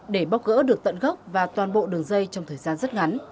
để bóc gỡ được tận gốc và toàn bộ đường dây trong thời gian rất ngắn